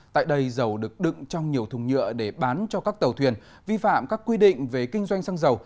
tại đây dầu được đựng trong nhiều thùng nhựa để bán cho các tàu thuyền vi phạm các quy định về kinh doanh xăng dầu